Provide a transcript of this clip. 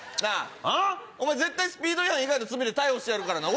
あぁ⁉絶対スピード違反以外の罪で逮捕してやるからな。